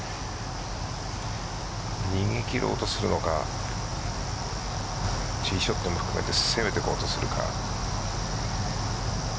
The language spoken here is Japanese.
逃げ切ろうとするのかティーショットも含めて攻めていこうとするか。